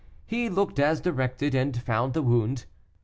He looked as directed, and found the wound.